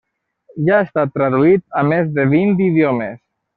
Ja ha estat traduït a més de vint idiomes.